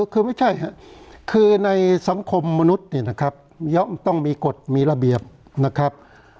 คือไม่ใช่ครับคือในสังคมมนุษย์เนี่ยนะครับต้องมีกฎมีระเบียบนะครับ